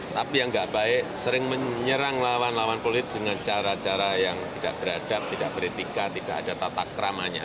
tapi yang tidak baik sering menyerang lawan lawan politik dengan cara cara yang tidak beradab tidak beretika tidak ada tatak ramanya